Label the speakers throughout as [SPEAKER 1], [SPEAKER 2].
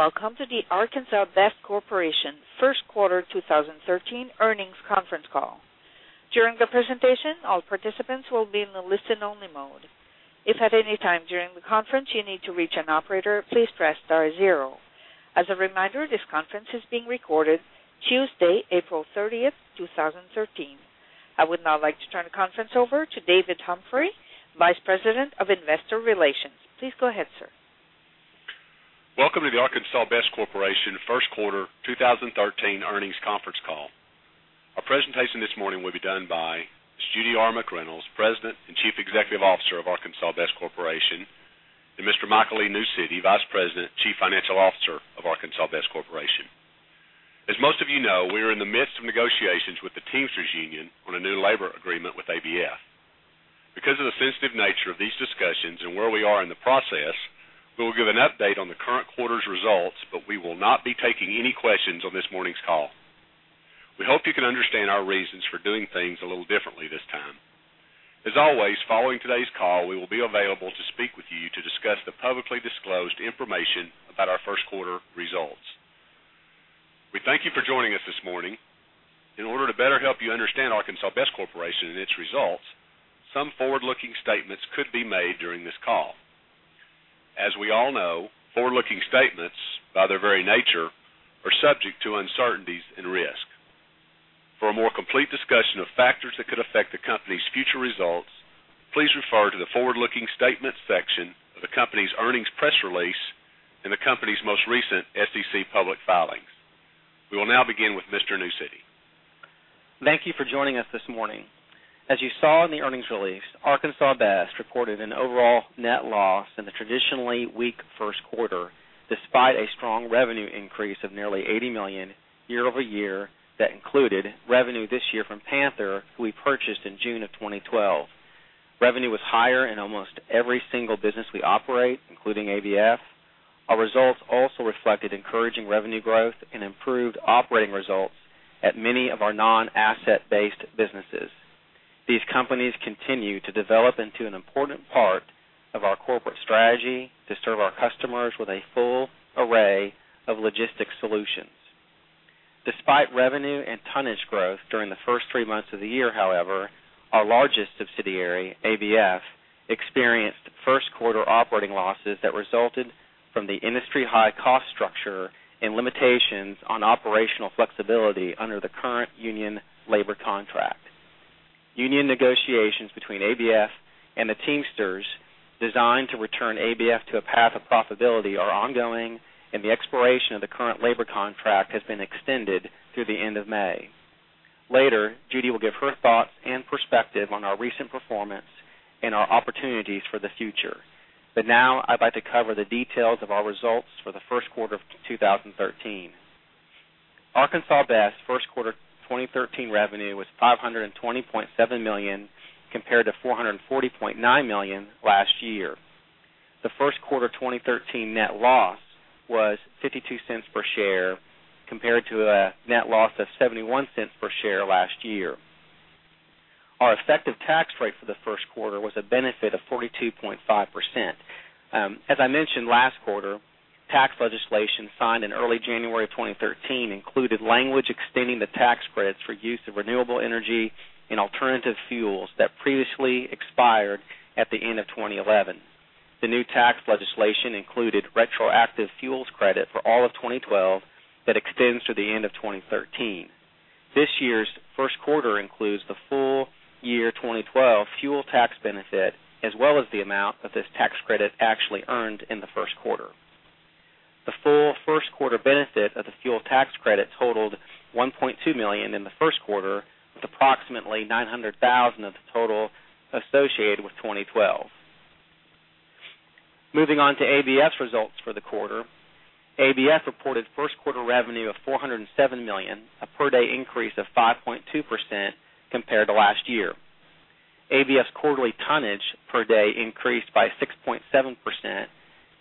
[SPEAKER 1] Welcome to the Arkansas Best Corporation Q1 2013 Earnings Conference Call. During the presentation, all participants will be in the listen-only mode. If at any time during the conference you need to reach an operator, please press star zero. As a reminder, this conference is being recorded Tuesday, April 30th, 2013. I would now like to turn the conference over to David Humphrey, Vice President of Investor Relations. Please go ahead, sir.
[SPEAKER 2] Welcome to the Arkansas Best Corporation Q1 2013 earnings conference call. Our presentation this morning will be done by Judy R. McReynolds, President and Chief Executive Officer of Arkansas Best Corporation, and Mr. Michael L. Newcity, Vice President, Chief Financial Officer of Arkansas Best Corporation. As most of you know, we are in the midst of negotiations with the Teamsters Union on a new labor agreement with ABF. Because of the sensitive nature of these discussions and where we are in the process, we will give an update on the current quarter's results, but we will not be taking any questions on this morning's call. We hope you can understand our reasons for doing things a little differently this time. As always, following today's call, we will be available to speak with you to discuss the publicly disclosed information about our Q1 results. We thank you for joining us this morning. In order to better help you understand Arkansas Best Corporation and its results, some forward-looking statements could be made during this call. As we all know, forward-looking statements, by their very nature, are subject to uncertainties and risk. For a more complete discussion of factors that could affect the company's future results, please refer to the forward-looking statements section of the company's earnings press release and the company's most recent SEC public filings. We will now begin with Mr. Newcity.
[SPEAKER 3] Thank you for joining us this morning. As you saw in the earnings release, Arkansas Best reported an overall net loss in the traditionally weak Q1 despite a strong revenue increase of nearly $80 million year-over-year that included revenue this year from Panther, who we purchased in June of 2012. Revenue was higher in almost every single business we operate, including ABF. Our results also reflected encouraging revenue growth and improved operating results at many of our non-asset-based businesses. These companies continue to develop into an important part of our corporate strategy to serve our customers with a full array of logistics solutions. Despite revenue and tonnage growth during the first three months of the year, however, our largest subsidiary, ABF, experienced Q1 operating losses that resulted from the industry-high cost structure and limitations on operational flexibility under the current union labor contract. Union negotiations between ABF and the Teamsters designed to return ABF to a path of profitability are ongoing, and the expiration of the current labor contract has been extended through the end of May. Later, Judy will give her thoughts and perspective on our recent performance and our opportunities for the future. But now, I'd like to cover the details of our results for the Q1 of 2013. Arkansas Best Q1 2013 revenue was $520.7 million compared to $440.9 million last year. The Q1 2013 net loss was $0.52 per share compared to a net loss of $0.71 per share last year. Our effective tax rate for the Q1 was a benefit of 42.5%. As I mentioned last quarter, tax legislation signed in early January 2013 included language extending the tax credits for use of renewable energy and alternative fuels that previously expired at the end of 2011. The new tax legislation included retroactive fuels credit for all of 2012 that extends to the end of 2013. This year's Q1 includes the full year 2012 fuel tax benefit as well as the amount of this tax credit actually earned in the Q1. The full Q1 benefit of the fuel tax credit totaled $1.2 million in the Q1, with approximately $900,000 of the total associated with 2012. Moving on to ABF's results for the quarter, ABF reported Q1 revenue of $407 million, a per-day increase of 5.2% compared to last year. ABF's quarterly tonnage per day increased by 6.7%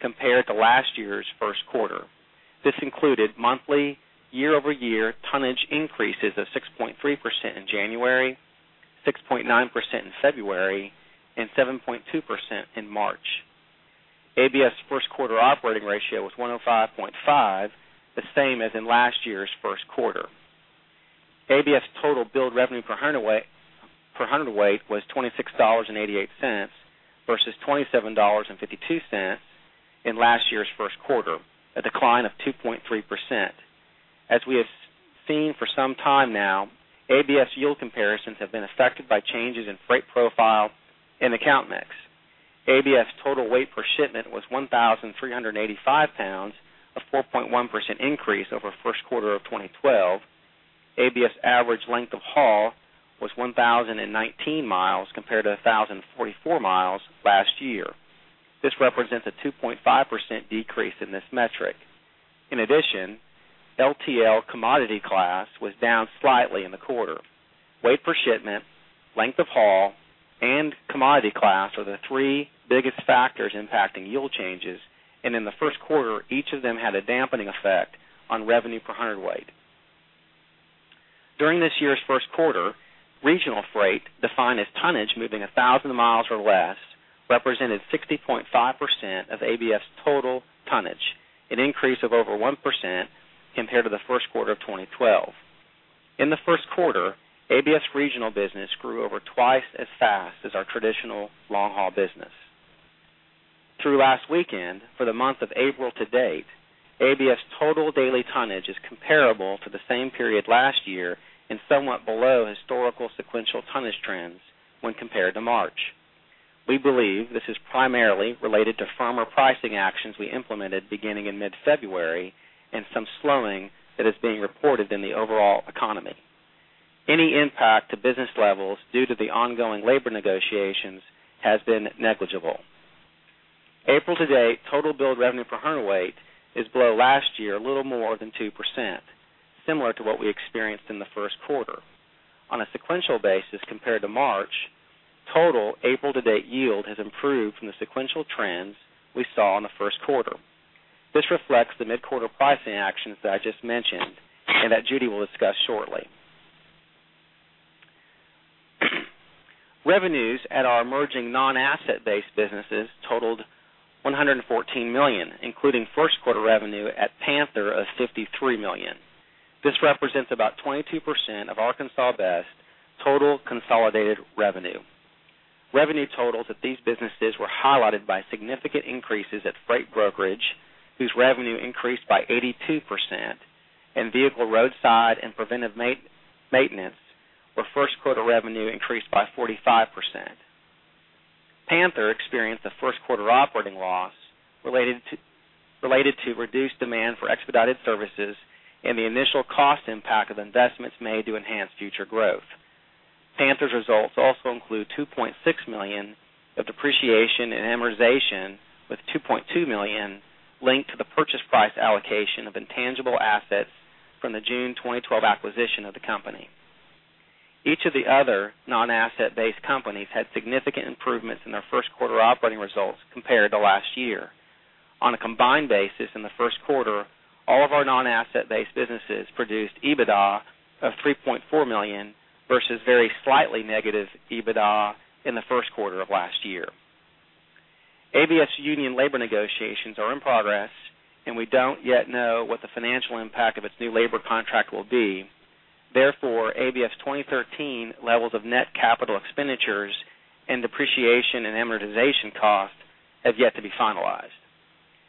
[SPEAKER 3] compared to last year's Q1. This included monthly, year-over-year tonnage increases of 6.3% in January, 6.9% in February, and 7.2% in March. ABF's Q1 operating ratio was 105.5, the same as in last year's Q1. ABF's total billed revenue per hundredweight was $26.88 versus $27.52 in last year's Q1, a decline of 2.3%. As we have seen for some time now, ABF's yield comparisons have been affected by changes in freight profile and account mix. ABF's total weight per shipment was 1,385 pounds, a 4.1% increase over Q1 of 2012. ABF's average length of haul was 1,019 miles compared to 1,044 miles last year. This represents a 2.5% decrease in this metric. In addition, LTL commodity class was down slightly in the quarter. Weight per shipment, length of haul, and commodity class are the three biggest factors impacting yield changes, and in the Q1, each of them had a dampening effect on revenue per hundredweight. During this year's Q1, regional freight defined as tonnage moving 1,000 miles or less represented 60.5% of ABF's total tonnage, an increase of over 1% compared to the Q1 of 2012. In the Q1, ABF's regional business grew over twice as fast as our traditional long-haul business. Through last weekend, for the month of April to date, ABF's total daily tonnage is comparable to the same period last year and somewhat below historical sequential tonnage trends when compared to March. We believe this is primarily related to firmer pricing actions we implemented beginning in mid-February and some slowing that is being reported in the overall economy. Any impact to business levels due to the ongoing labor negotiations has been negligible. April to date, total billed revenue per hundredweight is below last year a little more than 2%, similar to what we experienced in the Q1. On a sequential basis compared to March, total April to date yield has improved from the sequential trends we saw in the Q1. This reflects the mid-quarter pricing actions that I just mentioned and that Judy will discuss shortly. Revenues at our emerging non-asset-based businesses totaled $114 million, including Q1 revenue at Panther of $53 million. This represents about 22% of Arkansas Best total consolidated revenue. Revenue totals at these businesses were highlighted by significant increases at freight brokerage, whose revenue increased by 82%, and vehicle roadside and preventive maintenance, where Q1 revenue increased by 45%. Panther experienced a Q1 operating loss related to reduced demand for expedited services and the initial cost impact of investments made to enhance future growth. Panther's results also include $2.6 million of depreciation and amortization with $2.2 million linked to the purchase price allocation of intangible assets from the June 2012 acquisition of the company. Each of the other non-asset-based companies had significant improvements in their Q1 operating results compared to last year. On a combined basis in the Q1, all of our non-asset-based businesses produced EBITDA of $3.4 million versus very slightly negative EBITDA in the Q1 of last year. ABF's union labor negotiations are in progress, and we don't yet know what the financial impact of its new labor contract will be. Therefore, ABF's 2013 levels of net capital expenditures and depreciation and amortization costs have yet to be finalized.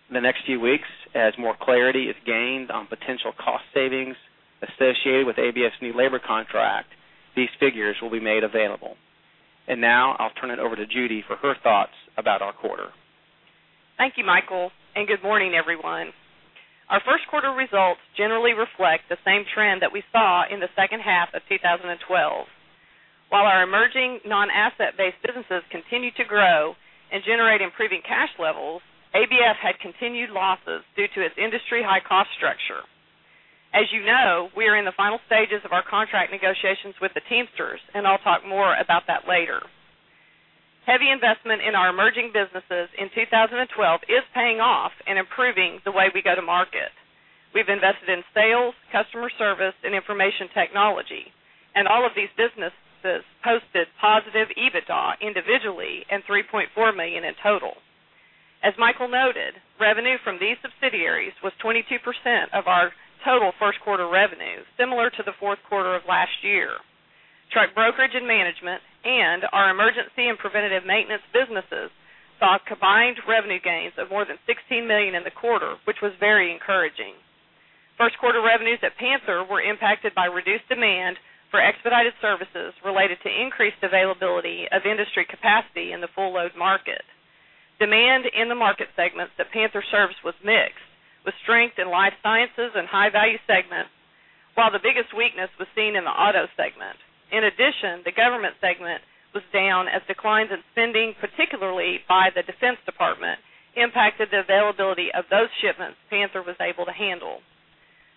[SPEAKER 3] In the next few weeks, as more clarity is gained on potential cost savings associated with ABF's new labor contract, these figures will be made available. Now, I'll turn it over to Judy for her thoughts about our quarter.
[SPEAKER 4] Thank you, Michael, and good morning, everyone. Our Q1 results generally reflect the same trend that we saw in the second half of 2012. While our emerging non-asset-based businesses continued to grow and generate improving cash levels, ABF had continued losses due to its industry-high cost structure. As you know, we are in the final stages of our contract negotiations with the Teamsters, and I'll talk more about that later. Heavy investment in our emerging businesses in 2012 is paying off and improving the way we go to market. We've invested in sales, customer service, and information technology, and all of these businesses posted positive EBITDA individually and $3.4 million in total. As Michael noted, revenue from these subsidiaries was 22% of our total Q1 revenue, similar to the Q4 of last year. Truck brokerage and management and our emergency and preventative maintenance businesses saw combined revenue gains of more than $16 million in the quarter, which was very encouraging. Q1 revenues at Panther were impacted by reduced demand for expedited services related to increased availability of industry capacity in the full-load market. Demand in the market segments that Panther serves was mixed, with strength in life sciences and high-value segments, while the biggest weakness was seen in the auto segment. In addition, the government segment was down as declines in spending, particularly by the Defense Department, impacted the availability of those shipments Panther was able to handle.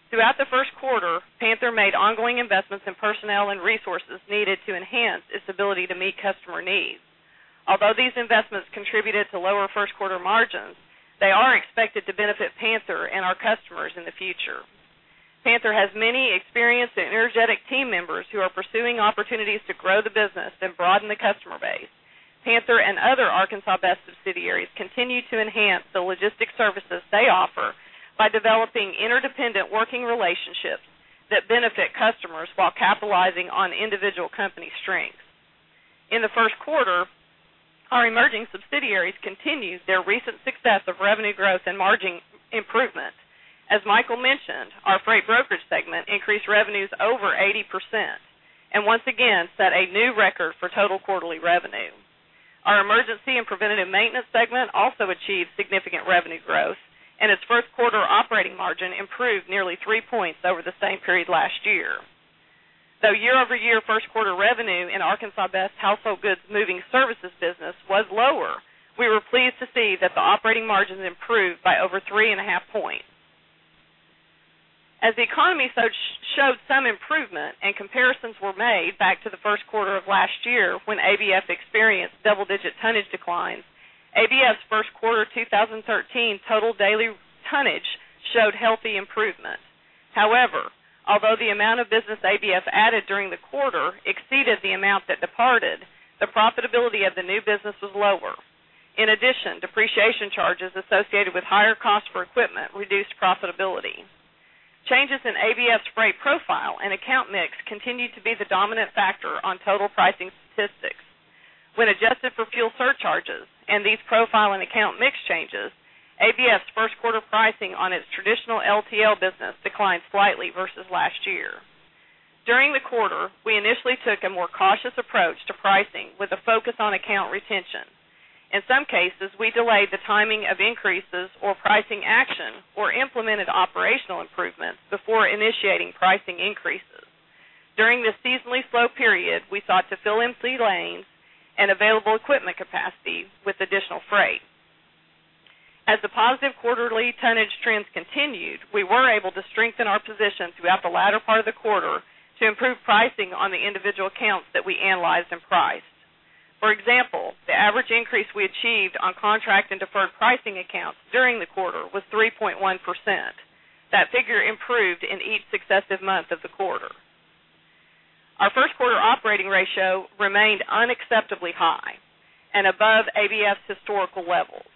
[SPEAKER 4] Throughout the Q1, Panther made ongoing investments in personnel and resources needed to enhance its ability to meet customer needs. Although these investments contributed to lower Q1 margins, they are expected to benefit Panther and our customers in the future. Panther has many experienced and energetic team members who are pursuing opportunities to grow the business and broaden the customer base. Panther and other Arkansas Best subsidiaries continue to enhance the logistics services they offer by developing interdependent working relationships that benefit customers while capitalizing on individual company strengths. In the Q1, our emerging subsidiaries continued their recent success of revenue growth and margin improvement. As Michael mentioned, our Freight Brokerage segment increased revenues over 80% and once again set a new record for total quarterly revenue. Our emergency and preventive maintenance segment also achieved significant revenue growth, and its Q1 operating margin improved nearly 3 points over the same period last year. Though year-over-year Q1 revenue in Arkansas Best household goods moving services business was lower, we were pleased to see that the operating margins improved by over 3.5 points. As the economy showed some improvement and comparisons were made back to the Q1 of last year when ABF experienced double-digit tonnage declines, ABF's Q1 2013 total daily tonnage showed healthy improvement. However, although the amount of business ABF added during the quarter exceeded the amount that departed, the profitability of the new business was lower. In addition, depreciation charges associated with higher costs for equipment reduced profitability. Changes in ABF's freight profile and account mix continued to be the dominant factor on total pricing statistics. When adjusted for fuel surcharges and these profile and account mix changes, ABF's Q1 pricing on its traditional LTL business declined slightly versus last year. During the quarter, we initially took a more cautious approach to pricing with a focus on account retention. In some cases, we delayed the timing of increases or pricing action or implemented operational improvements before initiating pricing increases. During this seasonally slow period, we sought to fill empty lanes and available equipment capacity with additional freight. As the positive quarterly tonnage trends continued, we were able to strengthen our position throughout the latter part of the quarter to improve pricing on the individual accounts that we analyzed and priced. For example, the average increase we achieved on contract and deferred pricing accounts during the quarter was 3.1%. That figure improved in each successive month of the quarter. Our Q1 operating ratio remained unacceptably high and above ABF's historical levels.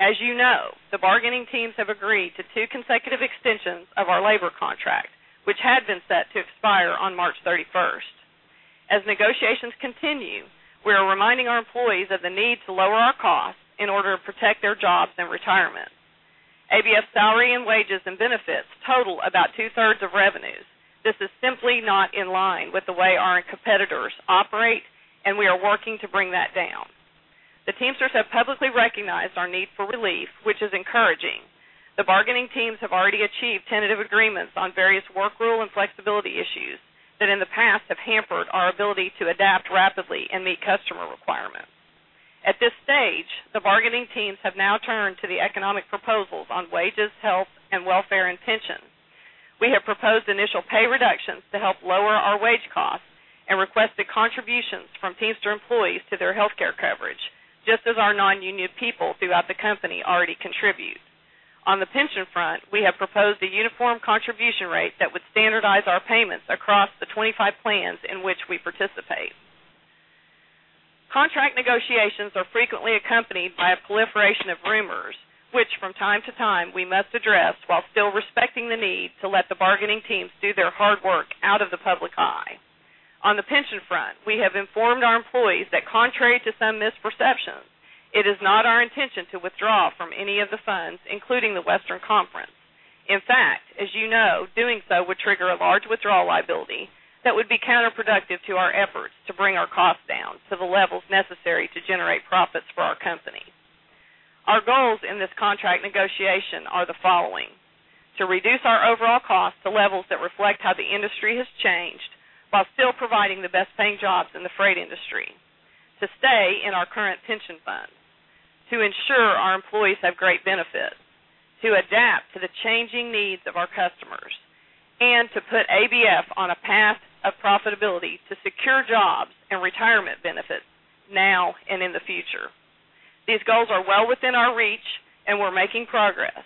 [SPEAKER 4] As you know, the bargaining teams have agreed to two consecutive extensions of our labor contract, which had been set to expire on March 31st. As negotiations continue, we are reminding our employees of the need to lower our costs in order to protect their jobs and retirement. ABF's salary and wages and benefits total about two-thirds of revenues. This is simply not in line with the way our competitors operate, and we are working to bring that down. The Teamsters have publicly recognized our need for relief, which is encouraging. The bargaining teams have already achieved tentative agreements on various work rule and flexibility issues that in the past have hampered our ability to adapt rapidly and meet customer requirements. At this stage, the bargaining teams have now turned to the economic proposals on wages, health, and welfare, and pension. We have proposed initial pay reductions to help lower our wage costs and requested contributions from Teamster employees to their healthcare coverage, just as our non-union people throughout the company already contribute. On the pension front, we have proposed a uniform contribution rate that would standardize our payments across the 25 plans in which we participate. Contract negotiations are frequently accompanied by a proliferation of rumors, which from time to time we must address while still respecting the need to let the bargaining teams do their hard work out of the public eye. On the pension front, we have informed our employees that, contrary to some misperceptions, it is not our intention to withdraw from any of the funds, including the Western Conference. In fact, as you know, doing so would trigger a large withdrawal liability that would be counterproductive to our efforts to bring our costs down to the levels necessary to generate profits for our company. Our goals in this contract negotiation are the following: to reduce our overall costs to levels that reflect how the industry has changed while still providing the best-paying jobs in the freight industry, to stay in our current pension fund, to ensure our employees have great benefits, to adapt to the changing needs of our customers, and to put ABF on a path of profitability to secure jobs and retirement benefits now and in the future. These goals are well within our reach, and we're making progress.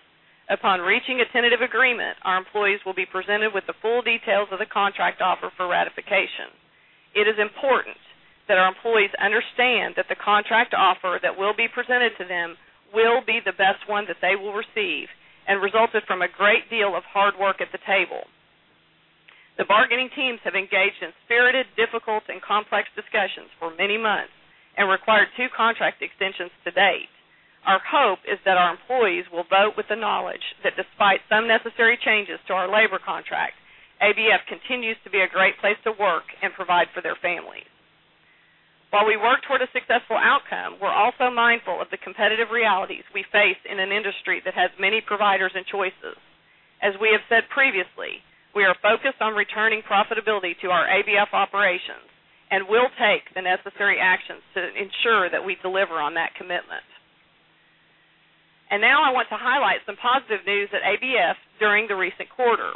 [SPEAKER 4] Upon reaching a tentative agreement, our employees will be presented with the full details of the contract offer for ratification. It is important that our employees understand that the contract offer that will be presented to them will be the best one that they will receive and resulted from a great deal of hard work at the table. The bargaining teams have engaged in spirited, difficult, and complex discussions for many months and required two contract extensions to date. Our hope is that our employees will vote with the knowledge that, despite some necessary changes to our labor contract, ABF continues to be a great place to work and provide for their families. While we work toward a successful outcome, we're also mindful of the competitive realities we face in an industry that has many providers and choices. As we have said previously, we are focused on returning profitability to our ABF operations and will take the necessary actions to ensure that we deliver on that commitment. Now I want to highlight some positive news at ABF during the recent quarter.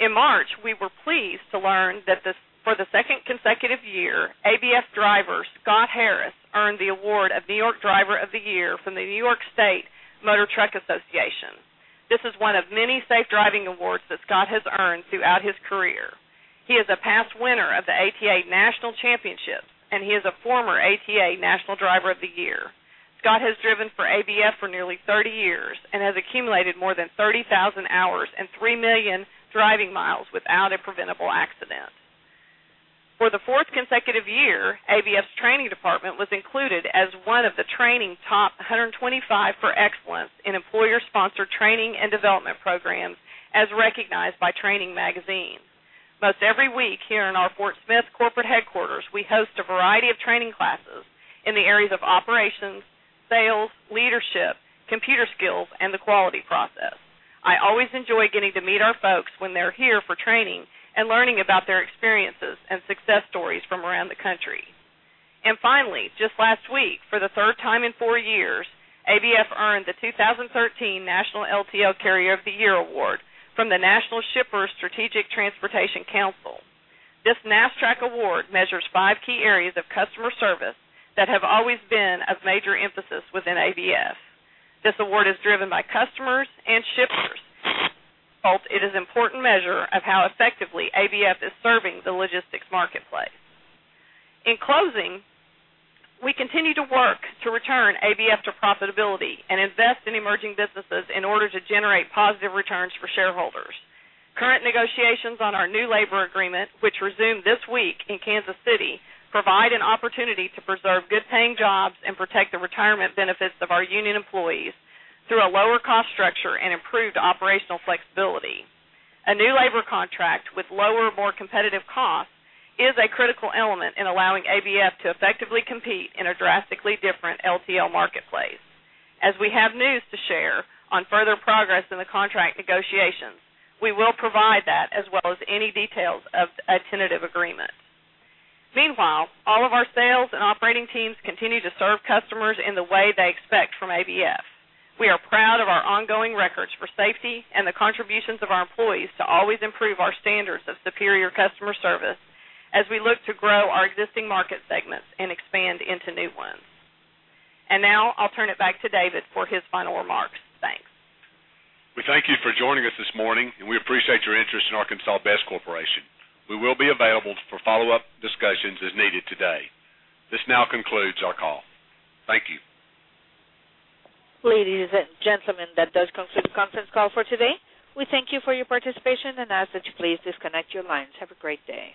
[SPEAKER 4] In March, we were pleased to learn that for the second consecutive year, ABF driver Scott Harris earned the award of New York Driver of the Year from the New York State Motor Truck Association. This is one of many safe driving awards that Scott has earned throughout his career. He is a past winner of the ATA National Championships, and he is a former ATA National Driver of the Year. Scott has driven for ABF for nearly 30 years and has accumulated more than 30,000 hours and 3 million driving miles without a preventable accident. For the fourth consecutive year, ABF's training department was included as one of the Training Top 125 for excellence in employer-sponsored training and development programs, as recognized by Training Magazine. Most every week here in our Fort Smith corporate headquarters, we host a variety of training classes in the areas of operations, sales, leadership, computer skills, and the quality process. I always enjoy getting to meet our folks when they're here for training and learning about their experiences and success stories from around the country. Finally, just last week, for the third time in four years, ABF earned the 2013 National LTL Carrier of the Year Award from the National Shippers Strategic Transportation Council. This NASSTRAC award measures five key areas of customer service that have always been of major emphasis within ABF. This award is driven by customers and shippers, and it is an important measure of how effectively ABF is serving the logistics marketplace. In closing, we continue to work to return ABF to profitability and invest in emerging businesses in order to generate positive returns for shareholders. Current negotiations on our new labor agreement, which resume this week in Kansas City, provide an opportunity to preserve good-paying jobs and protect the retirement benefits of our union employees through a lower cost structure and improved operational flexibility. A new labor contract with lower, more competitive costs is a critical element in allowing ABF to effectively compete in a drastically different LTL marketplace. As we have news to share on further progress in the contract negotiations, we will provide that as well as any details of a tentative agreement. Meanwhile, all of our sales and operating teams continue to serve customers in the way they expect from ABF. We are proud of our ongoing records for safety and the contributions of our employees to always improve our standards of superior customer service as we look to grow our existing market segments and expand into new ones. Now I'll turn it back to David for his final remarks. Thanks.
[SPEAKER 2] We thank you for joining us this morning, and we appreciate your interest in Arkansas Best Corporation. We will be available for follow-up discussions as needed today. This now concludes our call. Thank you.
[SPEAKER 1] Ladies and gentlemen, that does conclude the conference call for today. We thank you for your participation, and as such, please disconnect your lines. Have a great day.